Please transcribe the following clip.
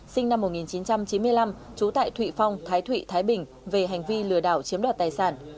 sinh năm một nghìn chín trăm chín mươi năm trú tại thụy phong thái thụy thái bình về hành vi lừa đảo chiếm đoạt tài sản